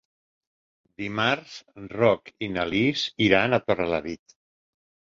Dimarts en Roc i na Lis iran a Torrelavit.